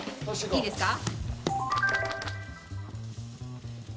いいですか？